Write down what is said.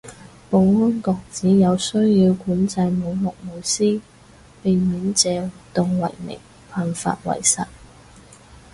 保安局指有需要管制舞龍舞獅，避免借活動為名犯法為實